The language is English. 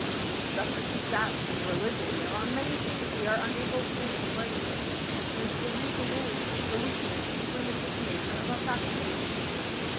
Thus it is that in \ religion there are many things we are unable to explain; and the reason is, the weakness and \ limited nature of our faculties."